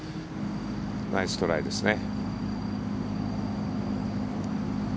ナイストライですね。